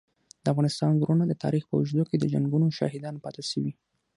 د افغانستان غرونه د تاریخ په اوږدو کي د جنګونو شاهدان پاته سوي.